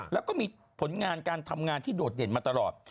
แล้วก็มีผลงานการทำงานที่โดดเด่นมาตลอด